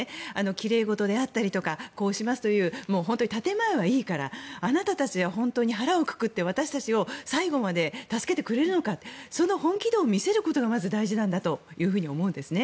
奇麗事であったりとかこうしますというもう本当に建前はいいからあなたたちは本当に腹をくくって私たちを最後まで助けてくれるのかその本気度を見せることがまず大事なんだと思うんですね。